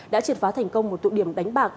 đã triệt phá thành công một tụ điểm đánh bạc